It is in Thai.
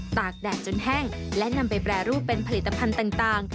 ตากแดดจนแห้งและนำไปแปรรูปเป็นผลิตภัณฑ์ต่าง